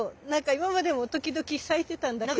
今までも時々咲いてたんだけど。